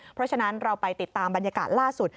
เพราะฉะนั้นเราไปติดตามบรรยากาศล่าสุด